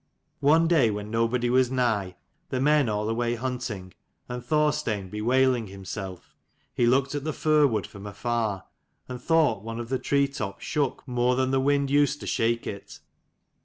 One day when nobody was nigh, the men all away hunting, and Thorstein bewailing himself, he looked at the firwood from afar, and thought one of the tree tops shook more than the wind used to shake it.